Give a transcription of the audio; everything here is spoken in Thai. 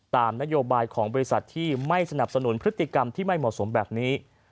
ตามนโยบายของบริษัทที่ไม่สนับสนุนพฤติกรรมที่ไม่เหมาะสมแบบนี้